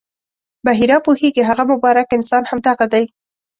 بحیرا پوهېږي هغه مبارک انسان همدغه دی.